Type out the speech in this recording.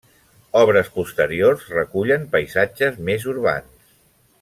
Obres posteriors recullen paisatges més urbans.